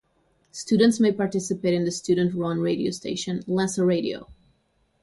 Students may participate in the student-run radio station "Lancer Radio".